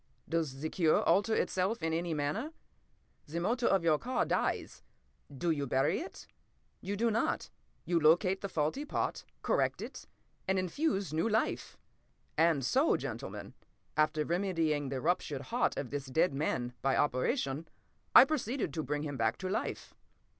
Does the cure alter itself in any manner? The motor of your car dies—do you bury it? You do not; you locate the faulty part, correct it, and infuse new life. And so, gentlemen, after remedying the ruptured heart of this dead man, by operation, I proceeded to bring him back to life.